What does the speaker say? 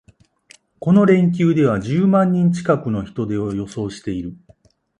この連休では十万人近くの人出を予想している